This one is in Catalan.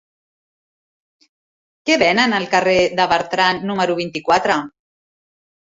Què venen al carrer de Bertran número vint-i-quatre?